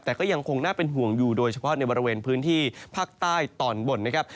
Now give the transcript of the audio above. แต่ก็ยังคงน่าเป็นห่วงอยู่โดยเฉพาะในบริเวณพื้นที่ภาคใต้ตอนบนนะครับ